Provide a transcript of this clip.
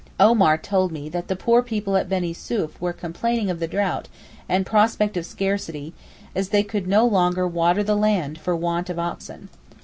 Omar told me that the poor people at Benisouef were complaining of the drought and prospect of scarcity, as they could no longer water the land for want of oxen.